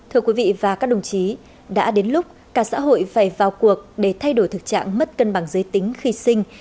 thưa quý vị và các đồng chí đã đến lúc cả xã hội phải vào cuộc để thay đổi thực trạng mất cân bằng giới tính khi sinh